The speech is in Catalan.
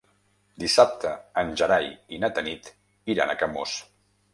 Dissabte en Gerai i na Tanit iran a Camós.